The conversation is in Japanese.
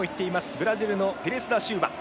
ブラジルのピレスダシウバ。